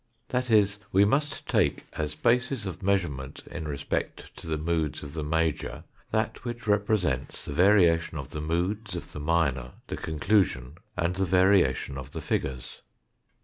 That is we must take as basis of measure ment in respect to the moods of the major that which represents the variation of the moods of the minor, the conclusion and the variation of the figures.